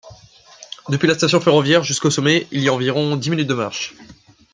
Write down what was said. Depuis la station ferroviaire jusqu'au sommet, il y a environ dix minutes de marche.